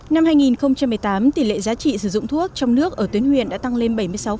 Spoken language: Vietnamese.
năm hai nghìn một mươi tám tỷ lệ giá trị sử dụng thuốc trong nước ở tuyến huyện đã tăng lên bảy mươi sáu sáu mươi hai